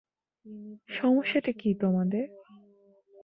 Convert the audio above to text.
সমস্যাটা কী তোমাদের?